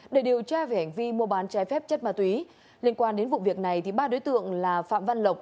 để điều tra về hành vi mua bán trái phép chất ma túy liên quan đến vụ việc này ba đối tượng là phạm văn lộc